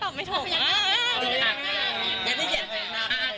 ก็ก็อันนั้นก็แซวเล่นอะไรเงี้ย